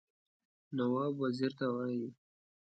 نواب وزیر ته ووايي.